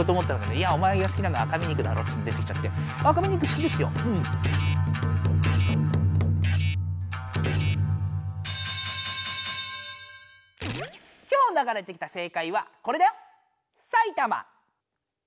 きょうながれてきた正解はこれだよ。